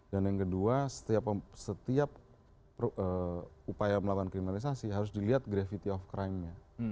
yang kedua setiap upaya melakukan kriminalisasi harus dilihat gravity of crime nya